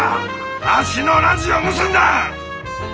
わしのラジオ盗んだん！